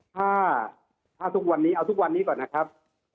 ถ้าทุกวันนี้เอาทุกวันนี้ก่อนนะครับ